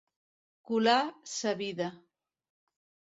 Colar sa vida.